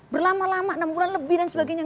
berlama lama enam bulan lebih dan sebagainya